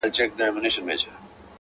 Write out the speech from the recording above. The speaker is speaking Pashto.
• څه به وسي دا یوه که پکښي زما سي,